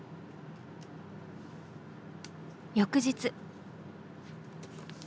翌日。